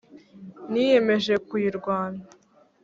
niyemeje kuyirwana